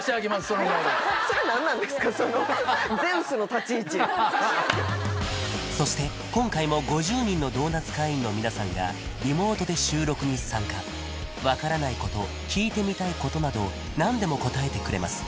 そのそして今回も５０人のドーナツ会員の皆さんがリモートで収録に参加分からないこと聞いてみたいことなど何でも答えてくれます